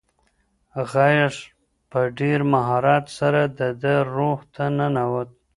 غږ په ډېر مهارت سره د ده روح ته ننووت.